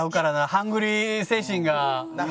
ハングリー精神が。